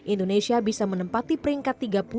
indonesia bisa menempati peringkat tiga puluh